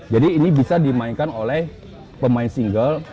jadi ini bisa dimainkan oleh pemain single